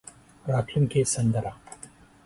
راتلونکې سندره.